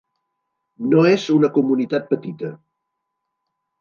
No és una comunitat petita.